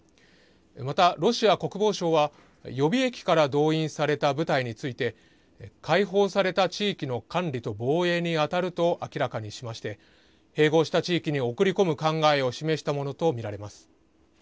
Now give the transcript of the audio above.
また、ロシア国防省は、予備役から動員された部隊について、解放された地域の管理と防衛に当たると明らかにしまして、併合した地域に送り込む考えを示したものと見られます。